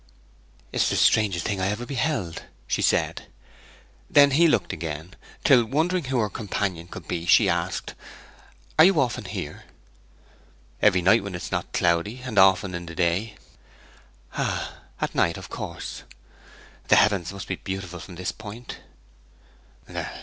'It is the strangest thing I ever beheld,' she said. Then he looked again; till wondering who her companion could be she asked, 'Are you often here?' 'Every night when it is not cloudy, and often in the day.' 'Ah, night, of course. The heavens must be beautiful from this point.'